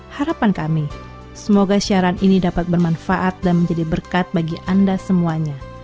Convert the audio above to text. harapan kami semoga siaran ini dapat bermanfaat dan menjadi berkat bagi anda semuanya